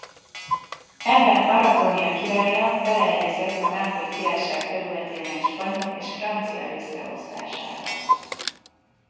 Ebben Aragónia királya beleegyezett a Nápolyi Királyság területének spanyol és francia részre osztásába.